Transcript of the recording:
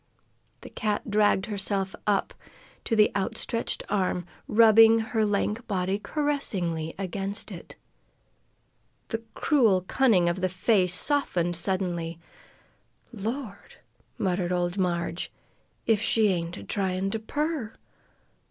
The cat dragged herself up to the outstretched arm, rubbing her lank body caressingly against it. The cruel, cunning old face softened suddenly. "Lord!" muttered old Marg, "if she ain't a tryin' to purr!